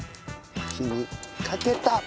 火にかけた。